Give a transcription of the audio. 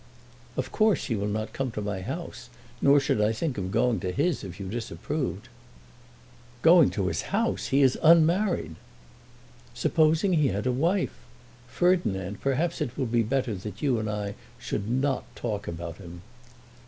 "Of course he will not come to my house, nor should I think of going to his, if you disapproved." "Going to his house! He is unmarried." "Supposing he had a wife! Ferdinand, perhaps it will be better that you and I should not talk about him."